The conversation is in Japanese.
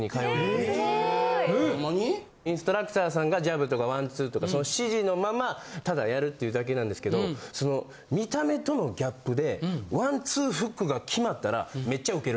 インストラクターさんがジャブとかワンツーとかその指示のままただやるっていうだけなんですけどその見た目とのギャップで。